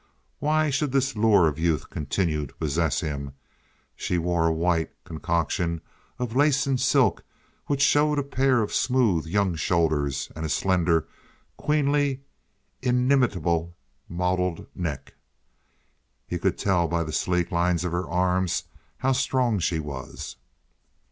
Why should this lure of youth continue to possess him? She wore a white concoction of lace and silk which showed a pair of smooth young shoulders and a slender, queenly, inimitably modeled neck. He could tell by the sleek lines of her arms how strong she was.